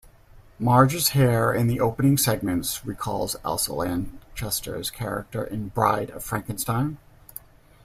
Marge's hair in the opening segment recalls Elsa Lanchester's character in "Bride of Frankenstein".